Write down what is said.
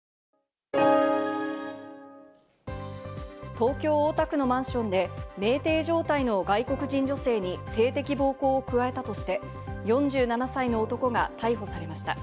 東京・大田区のマンションで酩酊状態の外国人女性に性的暴行を加えたとして、４７歳の男が逮捕されました。